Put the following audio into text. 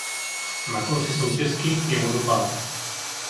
Na konci soutěsky je vodopád.